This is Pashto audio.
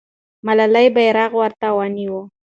ملالۍ بیرغ ورته نیوه.